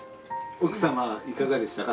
奥様はいかがでしたか？